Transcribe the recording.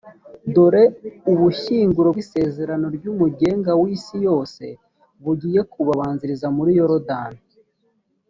dore ubushyinguro bw’isezerano ry’umugenga w’isi yose bugiye kubabanziriza muri yorudani.